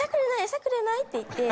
餌くれない？って言って。